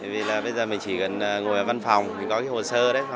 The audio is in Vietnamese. bây giờ mình chỉ cần ngồi ở văn phòng mình có cái hồ sơ đấy